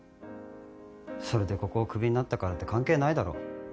それでここを首になったからって関係ないだろ。